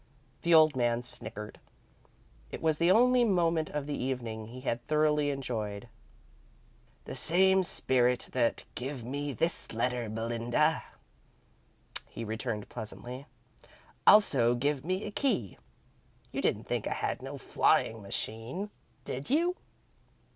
The old man snickered. It was the only moment of the evening he had thoroughly enjoyed. "The same spirit that give me the letter, Belinda," he returned, pleasantly, "also give me a key. You didn't think I had no flyin' machine, did you?"